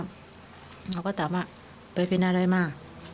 เขาก็ถามว่าไปเป็นอะไรมา